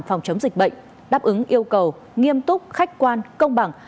phòng chống dịch bệnh đáp ứng yêu cầu nghiêm túc khách quan công bằng